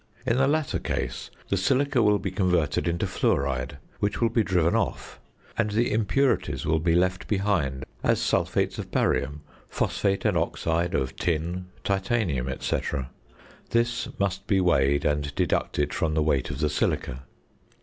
In the latter case, the silica will be converted into fluoride, which will be driven off, and the impurities will be left behind as sulphates of barium, phosphate and oxide of tin, titanium, &c. This must be weighed and deducted from the weight of the silica.